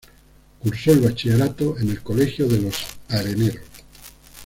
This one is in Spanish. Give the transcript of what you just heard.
Cursó el bachillerato en el Colegio de los Areneros.